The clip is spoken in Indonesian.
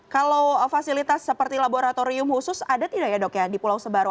kalau fasilitas seperti laboratorium khusus ada tidak ya dok ya di pulau sebaru